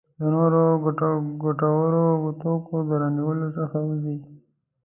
د نورو ګټورو توکو د رانیولو څخه ووځي.